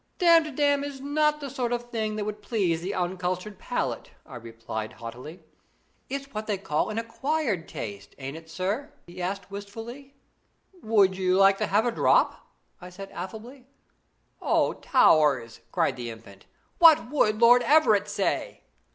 'Damtidam is not the sort of thing that would please the uncultured palate,' I replied haughtily. 'It's what they call an acquired taste, ain't it, sir?' he asked wistfully. 'Would you like to have a drop?' I said affably. 'Oh, Towers!' cried the Infant, 'what would Lord Everett say?'